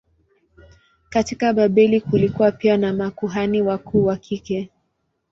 Katika Babeli kulikuwa pia na makuhani wakuu wa kike.